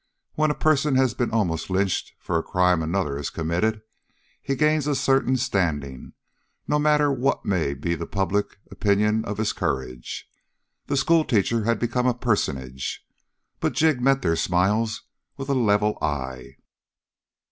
When a person has been almost lynched for a crime another has committed, he gains a certain standing, no matter what may be the public opinion of his courage. The schoolteacher had become a personage. But Jig met their smiles with a level eye.